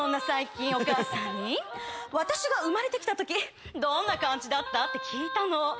最近お母さんに私が生まれて来た時どんな感じだった？って聞いたの。